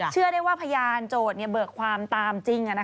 เชื่อได้ว่าพยานโจทย์เบิกความตามจริง